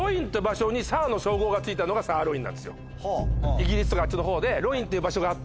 イギリスとかあっちの方でロインって場所があって。